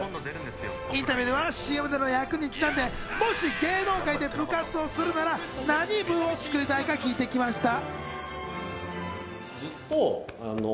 インタビューではＣＭでの役にちなんで、もし芸能界で部活をするなら何部を作りたいか聞いてきました。